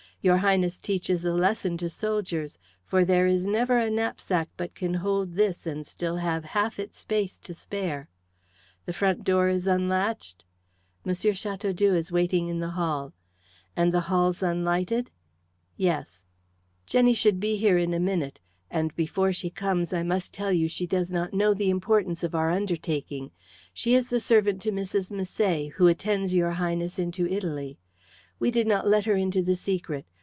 "Your Highness teaches a lesson to soldiers; for there is never a knapsack but can hold this and still have half its space to spare. The front door is unlatched?" "M. Chateaudoux is watching in the hall." "And the hall's unlighted?" "Yes." "Jenny should be here in a minute, and before she comes I must tell you she does not know the importance of our undertaking. She is the servant to Mrs. Misset, who attends your Highness into Italy. We did not let her into the secret.